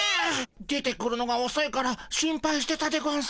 出てくるのがおそいから心配してたでゴンス。